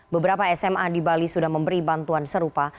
beberapa sma di bali sudah memberi bantuan serupa